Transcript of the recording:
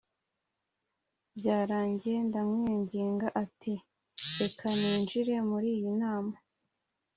Byarangiye, ndamwinginga nti reka ninjire muri iyi nama